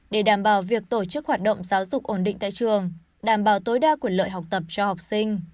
để đảm bảo việc tổ chức hoạt động giáo dục ổn định tại trường đảm bảo tối đa quyền lợi học tập cho học sinh